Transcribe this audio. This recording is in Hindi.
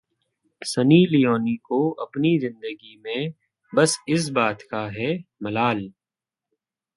सनी लियोनी को अपनी जिंदगी में बस इस बात का है मलाल